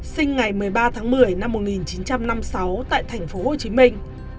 sinh ngày một mươi ba tháng một mươi năm một nghìn chín trăm năm mươi sáu tại thành phố hồ chí minh